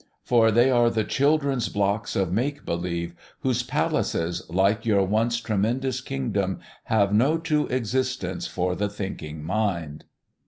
For they are the children's blocks of make believe whose palaces, like your once tremendous kingdom, have no true existence for the thinking mind."